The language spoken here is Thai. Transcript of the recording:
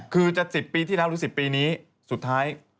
คือจะ๑๐ปีที่แล้วหรือ๑๐ปีนี้สุดท้าย